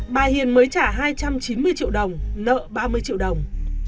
bà hiền mới trả hai trăm chín mươi triệu đồng nợ ba mươi triệu đồng